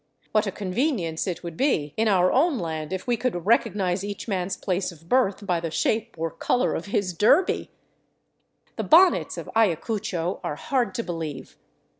What a con venience it would be in our own land if we could recognize each man's place of birth by the shape or color of his derby ! The bonnets of Ayacucho are hard to believe.